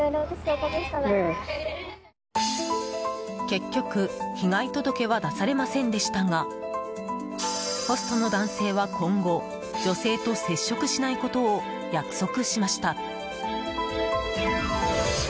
結局被害届は出されませんでしたがホストの男性は今後、女性と接触しないことを約束しました。